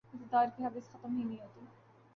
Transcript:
اقتدار کی ہوس ختم ہی نہیں ہوتی